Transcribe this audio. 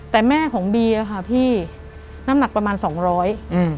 แต่แม่ของบีอ่ะค่ะพี่น้ำหนักประมาณสองร้อยอืม